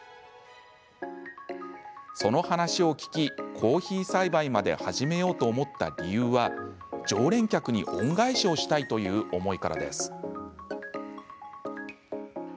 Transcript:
その話を聞き、コーヒー栽培まで始めようと思った理由は常連客に恩返しをしたいという思いからです。